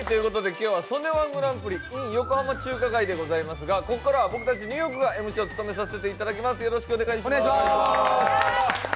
今日は「曽根−１グランプリｉｎ横浜中華街」ですがここからは僕たち、ニューヨークがＭＣを務めさせていただきます。